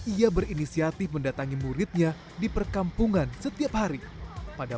ia berinisiatif mendatangi muridnya di perkampungan setiap hari pada pukul delapan pagi hingga dua siang